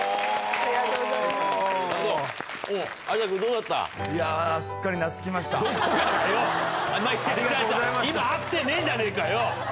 違う違う今会ってねえじゃねぇかよ！